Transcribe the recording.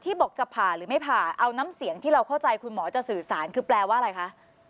บอกจะผ่าหรือไม่ผ่าเอาน้ำเสียงที่เราเข้าใจคุณหมอจะสื่อสารคือแปลว่าอะไรคะ